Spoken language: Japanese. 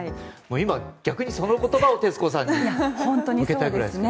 今、逆にその言葉を徹子さんに本当にかけたいぐらいですね。